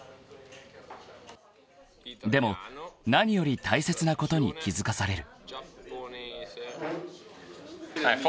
［でも何より大切なことに気付かされる］